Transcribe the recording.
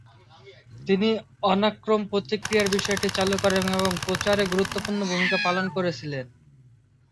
তিনি অনাক্রম্য প্রতিক্রিয়ার বিষয়টি চালু এবং প্রচারে গুরুত্বপূর্ণ ভূমিকা পালন করেছিলেন।